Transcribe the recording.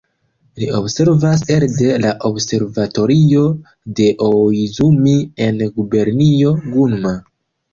Li observas elde la observatorio de Ooizumi en gubernio Gunma.